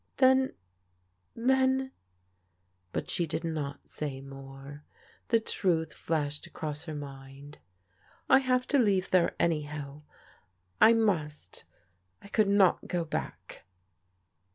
" Then— then," but she did not say more. The truth flashed across her mind. " I have to leave there anyhow. I must — I could not go back."